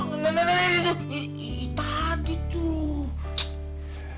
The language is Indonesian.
emangnya tadi tuh